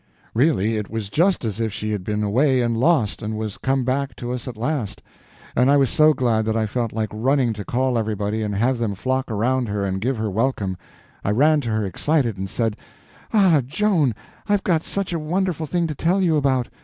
Really, it was just as if she had been away and lost, and was come back to us at last; and I was so glad that I felt like running to call everybody and have them flock around her and give her welcome. I ran to her excited and said: "Ah, Joan, I've got such a wonderful thing to tell you about!